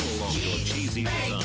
チーズ！